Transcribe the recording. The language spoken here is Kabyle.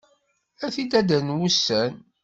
Ad t-id-addren wussan!